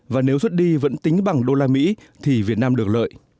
và nếu xuất đi vẫn tính bằng đô la mỹ thì việt nam được lợi